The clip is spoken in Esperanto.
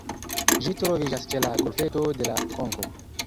Ĝi troviĝas ĉe la Golfeto de La Konko.